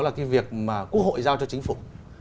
là cái việc mà quốc hội giao cho chính phủ